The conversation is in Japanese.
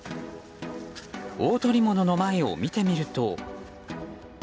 大捕物の前を見てみると。